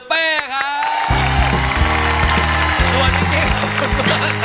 เป้ครับ